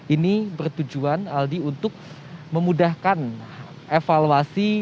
ini bertujuan aldi untuk memudahkan evaluasi